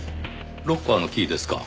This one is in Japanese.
ロッカーのキーですか。